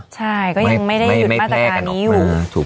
ใช่ก็ยังไม่ได้หยุดมาตรการนี้อยู่